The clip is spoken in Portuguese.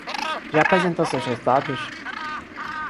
Já apresentou seus resultados?